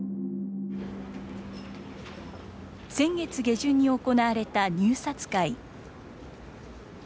先月下旬に行われた入札会。